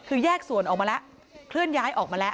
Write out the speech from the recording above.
คือแยกส่วนออกมาแล้วเคลื่อนย้ายออกมาแล้ว